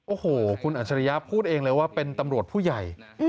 โอ้โหคุณอัจฉริยะพูดเองเลยว่าเป็นตำรวจผู้ใหญ่